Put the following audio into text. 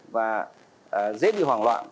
và dễ bị hoảng loạn